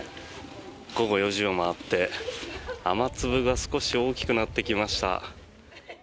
午後４時を回って、雨粒が少し大きくなってきました。